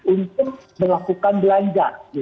untuk melakukan belanja